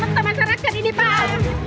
mau membunuh masyarakat ini pak